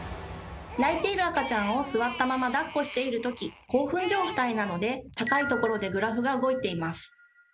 泣いている赤ちゃんを座ったままだっこしている時興奮状態なので高いところでグラフが動いています。